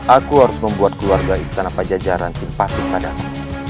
aku harus membuat keluarga istana pajajaran simpatik padamu